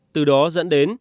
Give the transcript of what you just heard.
từ đó dẫn đến